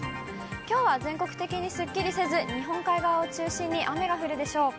きょうは全国的にすっきりせず、日本海側を中心に雨が降るでしょう。